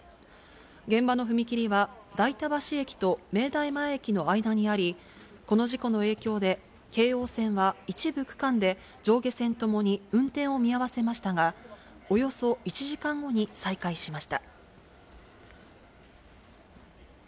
現場の踏切は代田橋駅と明大前駅の間にあり、この事故の影響で、京王線は一部区間で上下線ともに運転を見合わせましたが、およそファミマのファミからうまっ！